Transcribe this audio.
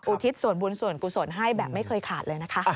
อุทิศสวรรคุศลสวรรคุศลให้แบบไม่เคยขาดเลยนะคะ